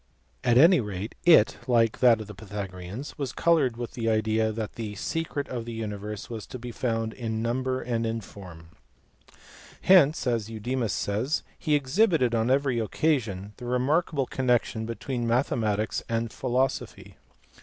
At any rate it, like that of the Pythagoreans, was coloured with the idea that the secret of the universe was to be found in number and in form ; hence, as Eudemus says, " he exhibited on every occasion the remarkable connection between mathe matics and philosophy."